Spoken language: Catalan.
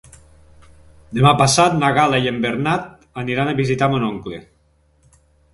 Demà passat na Gal·la i en Bernat aniran a visitar mon oncle.